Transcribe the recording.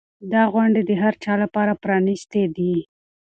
دا غونډې د هر چا لپاره پرانیستې دي.